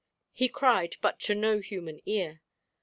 He cried, but to no human ear.